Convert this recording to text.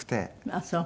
あっそう。